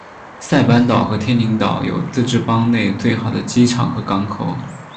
塞班岛和天宁岛上有自治邦内最好的机场和港口。